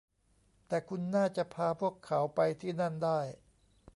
แต่คุณน่าจะพาพวกเขาไปที่นั่นได้